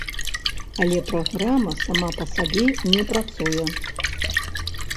Але праграма сама па сабе не працуе.